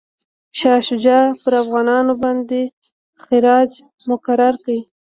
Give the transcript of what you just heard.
شاه شجاع پر افغانانو باندي خراج مقرر کړ.